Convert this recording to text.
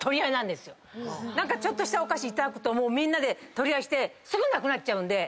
何かちょっとしたお菓子頂くともうみんなで取り合いしてすぐなくなっちゃうんで。